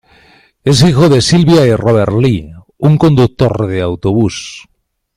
Es hijo de Sylvia y Robert Lee, un conductor de autobús.